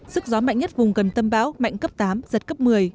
sức gió mạnh nhất vùng gần tâm bão mạnh cấp tám giật cấp một mươi